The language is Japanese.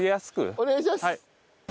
お願いします！